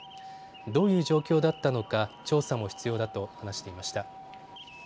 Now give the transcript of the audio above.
どういう状況だったのか調査も必要だと話していました。